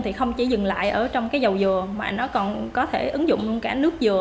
thì không chỉ dừng lại ở trong cái dầu dừa mà nó còn có thể ứng dụng cả nước dừa